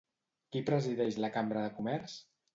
Qui presideix la Cambra de Comerç?